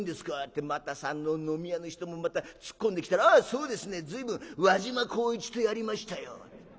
ってまたあの飲み屋の人も突っ込んできたら『あそうですね随分輪島功一とやりましたよ』。